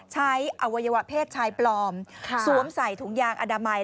ใช้อวัยวะเพศชายปลอมสวมใส่ถุงยางอนามัย